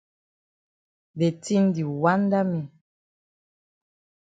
De tin di wanda me.